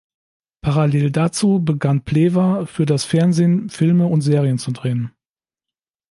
Parallel dazu begann Pleva, für das Fernsehen Filme und Serien zu drehen.